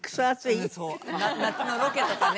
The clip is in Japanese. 夏のロケとかね